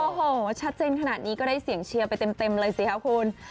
โอ้โหชัดเจนขนาดนี้ก็ได้เสียงเชียร์ไปเต็มเลยสิคะคุณ